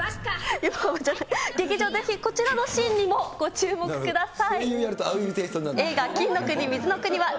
劇場でぜひこちらのシーンにもご注目ください。